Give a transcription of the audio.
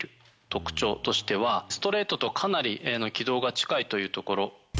特徴としては、ストレートとかなり軌道が近いというところ。